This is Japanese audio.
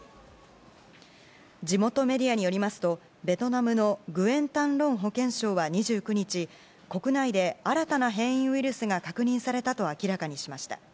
地元メディアによりますとベトナムのグエン・タン・ロン保健相は２９日、国内で新たな変異ウイルスが確認されたと明らかにしました。